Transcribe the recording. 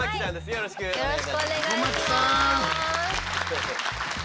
よろしくお願いします。